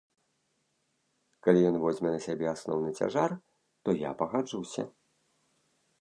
Калі ён возьме на сябе асноўны цяжар, то я пагаджуся.